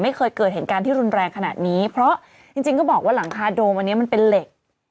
ไม่เคยเกิดเหตุการณ์ที่รุนแรงขนาดนี้เพราะจริงจริงก็บอกว่าหลังคาโดมอันนี้มันเป็นเหล็ก